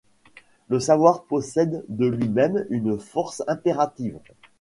Le savoir possède de lui-même une force impérative.